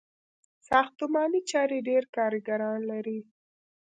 ساختماني چارې ډیر کارګران لري.